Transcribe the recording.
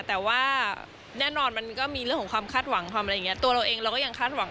แต่ว่าแน่นอนมันก็มีเรื่องของความคาดหวัง